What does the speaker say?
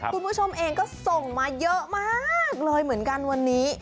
คุณผู้ชมเองก็ส่งมาเยอะมากเลยเหมือนกันวันนี้